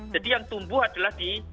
jadi yang tumbuh adalah di